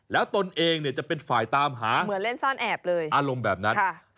แล้วตนเองเนี่ยจะเป็นฝ่ายตามหาเหมือนเล่นซ่อนแอบเลยอารมณ์แบบนั้น